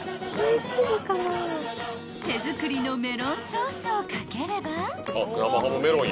［手作りのメロンソースを掛ければ］